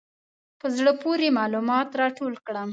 په زړه پورې معلومات راټول کړم.